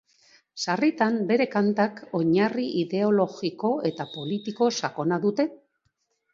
Sarritan bere kantak oinarri ideologiko eta politiko sakona dute.